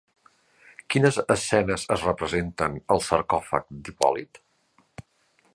Quines escenes es representen al sarcòfag d'Hipòlit?